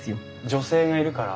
女性がいるから？